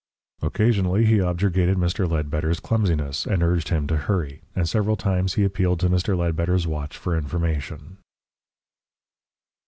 Occasionally he objurgated Mr. Ledbetter's clumsiness, and urged him to hurry, and several times he appealed to Mr. Ledbetter's watch for information.